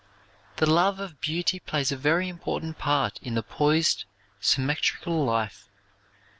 The love of beauty plays a very important part in the poised, symmetrical life.